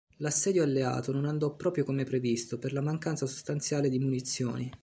L'assedio alleato non andò proprio come previsto per la mancanza sostanziale di munizioni.